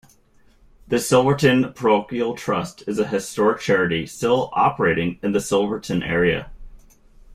The Silverton Parochial Trust is a historic charity still operating in the Silverton area.